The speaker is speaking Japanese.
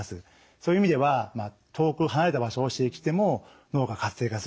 そういう意味では遠く離れた場所を刺激しても脳が活性化する。